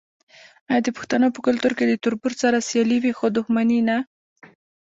آیا د پښتنو په کلتور کې د تربور سره سیالي وي خو دښمني نه؟